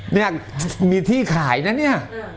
เนี่ยมีที่ขายนะเนี่ย